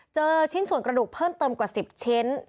เจอชิ้นส่วนกระดูกเพิ่มเติมกว่า๑๐ชิ้น